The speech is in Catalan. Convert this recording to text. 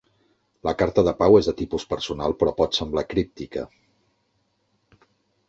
La carta de Pau és de tipus personal però pot semblar críptica.